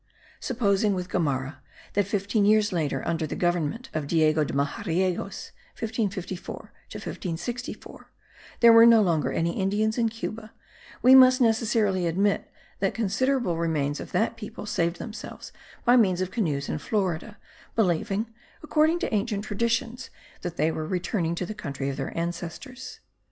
Supposing, with Gomara, that fifteen years later, under the government of Diego de Majariegos (1554 to 1564), there were no longer any Indians in Cuba, we must necessarily admit that considerable remains of that people saved themselves by means of canoes in Florida, believing, according to ancient traditions, that they were returning to the country of their ancestors.